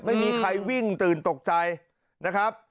ไม่มีใครวิ่งตื่นตกใจนะครับ